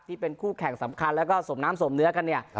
ที่เป็นคู่แข่งสำคัญแล้วก็สมน้ำสมเนื้อกันเนี่ย